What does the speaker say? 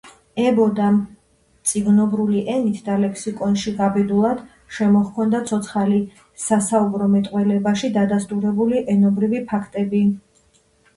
ებოდა მწიგნობრული ენით და ლექსიკონში გაბედულად შემოჰქონდა ცოცხალი, სასაუბრო მეტყველებაში დადასტურებული ენობრივი ფაქტები.